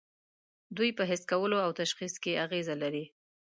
دوی په حس کولو او تشخیص کې اغیزه لري.